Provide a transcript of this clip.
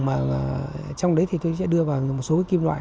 mà trong đấy thì tôi sẽ đưa vào một số cái kim loại